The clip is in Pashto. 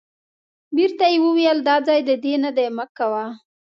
بیرته یې وویل دا ځای د دې نه دی مه کوه.